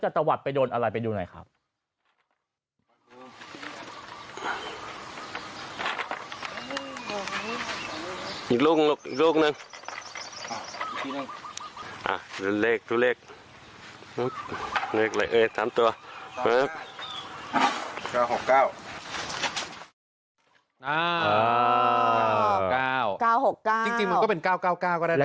จริงมันก็เป็น๙๙๙ก็ได้นะ